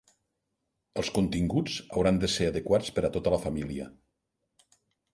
Els continguts hauran de ser adequats per a tota la família.